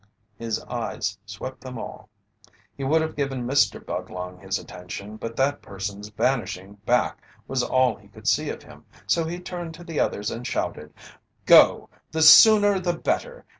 His eyes swept them all. He would have given Mr. Budlong his attention, but that person's vanishing back was all he could see of him, so he turned to the others and shouted: "Go! The sooner the better.